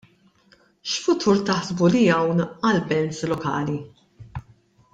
X'futur taħsbu li hawn għal bands lokali?